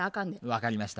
分かりました。